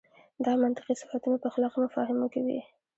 دا منطقي صفتونه په اخلاقي مفاهیمو کې وي.